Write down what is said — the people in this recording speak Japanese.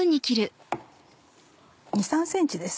２３ｃｍです。